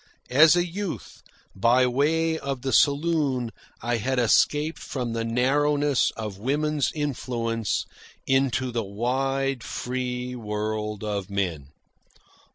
As a youth, by way of the saloon I had escaped from the narrowness of woman's influence into the wide free world of men.